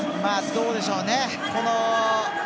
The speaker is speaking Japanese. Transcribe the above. どうでしょうね。